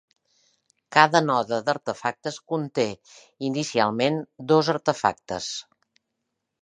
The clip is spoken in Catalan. Cada node d'artefactes conté inicialment dos artefactes.